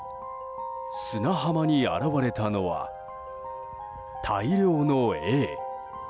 砂浜に現れたのは、大量のエイ。